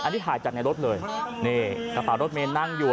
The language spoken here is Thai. อันนี้ถ่ายจากในรถเลยนี่กระเป๋ารถเมนนั่งอยู่